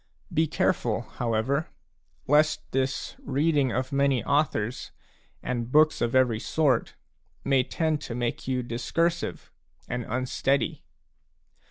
Be careful, however, lest this reading of many authors and books of every sort may tend to make you discursive and unsteady.